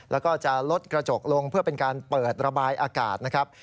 แล้วก็จะลดกระจกลงเพื่อเป็นการเปิดระบายอากาศนะครับ